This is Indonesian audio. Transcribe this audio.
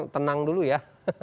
tenang dulu ya